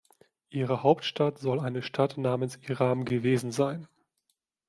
Ihre Hauptstadt soll eine Stadt namens Iram gewesen sein.